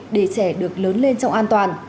để trẻ được lớn lên trong an toàn